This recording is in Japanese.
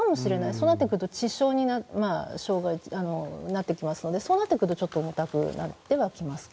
そうなってくると致傷になってきますのでそうなってくると重たくなってはきますね。